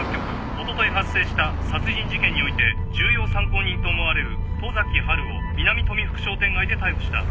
おととい発生した殺人事件において重要参考人と思われる十崎波琉を南富福商店街で逮捕した。